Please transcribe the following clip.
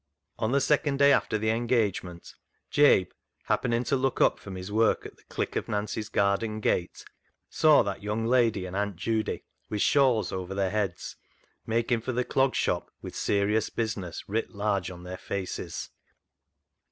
On the second day after the engagement, Jabe, happening to look up from his work at the click of Nancy's garden gate, saw that young lady and Aunt Judy, with shawls over their heads, making for the Clog Shop with " serious business " writ large on their faces.